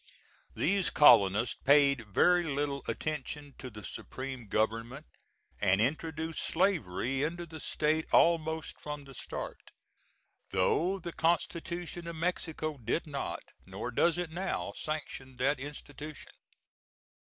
These colonists paid very little attention to the supreme government, and introduced slavery into the state almost from the start, though the constitution of Mexico did not, nor does it now, sanction that institution.